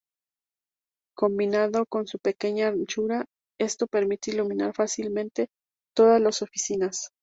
Combinado con su pequeña anchura, esto permite iluminar fácilmente todas las oficinas.